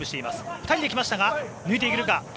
２人で来ましたが抜いていけるか？